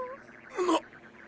なっ！